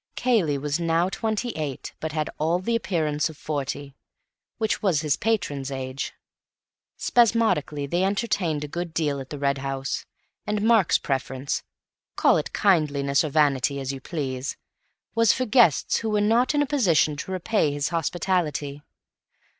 Cayley was now twenty eight, but had all the appearance of forty, which was his patron's age. Spasmodically they entertained a good deal at the Red House, and Mark's preference—call it kindliness or vanity, as you please—was for guests who were not in a position to repay his hospitality.